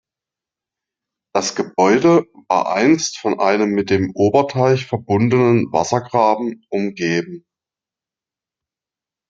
Das Gebäude war einst von einem mit dem Oberteich verbundenen Wassergraben umgeben.